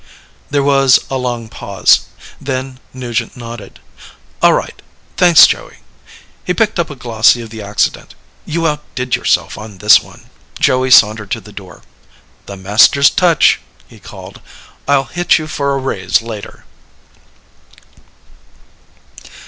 There was a long pause. Then, Nugent nodded. "All right. Thanks, Joey." He picked up a glossy of the accident. "You outdid yourself on this one." Joey sauntered to the door. "The master's touch," he called. "I'll hit you for a raise later."